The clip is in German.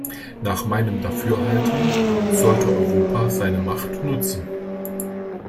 Nach meinem Dafürhalten sollte Europa seine Macht nutzen.